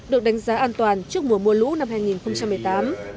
được đánh giá an toàn trước mùa mưa lũ năm hai nghìn một mươi tám